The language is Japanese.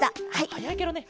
はやいケロね。